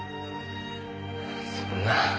そんな。